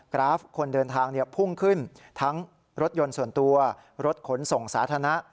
กราฟคนเดินทางพุ่งขึ้นทั้งรถยนต์ส่วนตัวรถขนส่งสาธารณะ